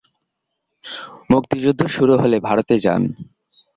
মুক্তিযুদ্ধ শুরু হলে ভারতে যান।